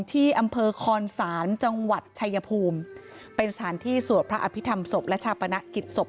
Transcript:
ที่อำเภอคอนศาลจังหวัดชายภูมิเป็นสถานที่สวดพระอภิษฐรรมศพและชาปนกิจศพ